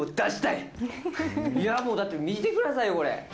いやもう、だって見てくださいよ、これ。